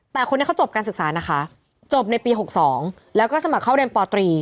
แต่คนนี้เขาจบการศึกษานะคะจบในปี๖๒แล้วก็สมัครเข้าเรียนปตรี